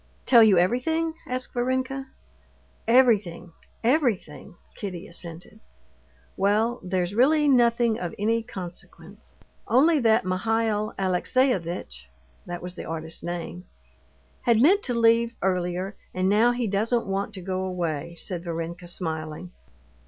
"Tell you everything?" asked Varenka. "Everything, everything!" Kitty assented. "Well, there's really nothing of any consequence; only that Mihail Alexeyevitch" (that was the artist's name) "had meant to leave earlier, and now he doesn't want to go away," said Varenka, smiling.